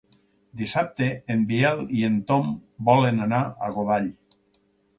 Dissabte en Biel i en Tom volen anar a Godall.